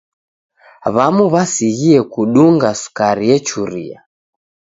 W'amu w'asighie kudunga sukari echuria.